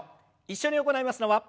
一緒に行いますのは。